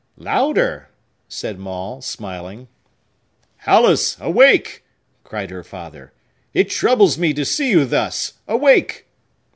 "Louder!" said Maule, smiling. "Alice! Awake!" cried her father. "It troubles me to see you thus! Awake!"